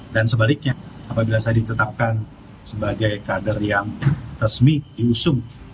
dan sebaliknya apabila saya ditetapkan sebagai kader yang resmi diusung